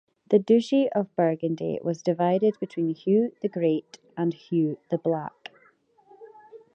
The Duchy of Burgundy was divided between Hugh the Great and Hugh the Black.